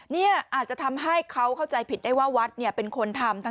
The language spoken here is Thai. นี่อาจจะทำให้เขาเข้าใจผิดได้ว่าวัดเป็นคนทำ